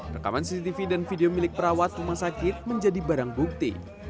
rekaman cctv dan video milik perawat rumah sakit menjadi barang bukti